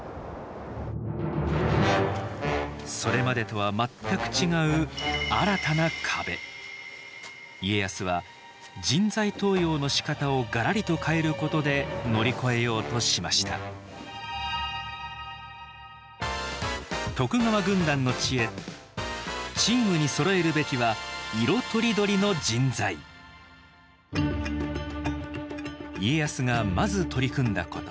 それまでとは全く違う家康は人材登用のしかたをがらりと変えることで乗り越えようとしました家康がまず取り組んだこと。